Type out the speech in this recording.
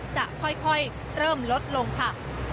จะค่อยเริ่มลดลงค่ะ